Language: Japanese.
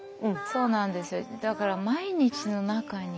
そうなんですよ。